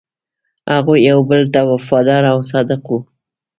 هغوی یو بل ته وفادار او صادق وو.